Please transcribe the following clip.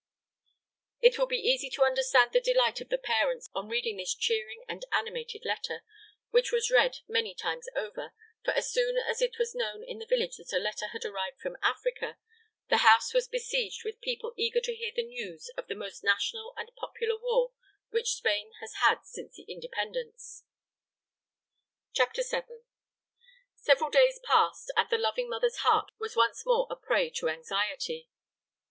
It will be easy to understand the delight of the parents on reading this cheering and animated letter, which was read many times over, for as soon as it was known in the village that a letter had arrived from Africa, the house was besieged with people eager to hear the news of the most national and popular war which Spain has had since the Independence. CHAPTER VII. Several days passed, and the loving mother's heart was once more a prey to anxiety.